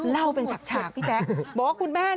เล่าเป็นฉากพี่แจ๊ก